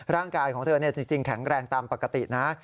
ร่างกายของเธอจริงแข็งแรงตามปกตินะ